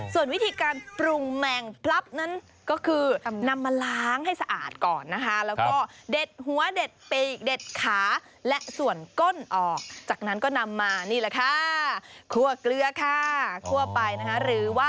ส่วนวิธีการปรุงแมลงปลั๊บนั้นก็คือนำมาล้างให้สะอาดก่อนนะฮะ